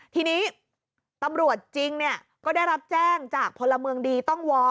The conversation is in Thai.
ทีนี้ตำรวจจริงเนี่ยก็ได้รับแจ้งจากพลเมืองดีต้องวอ